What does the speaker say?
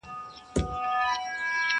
خونه له شنو لوګیو ډکه ده څه نه ښکاریږي!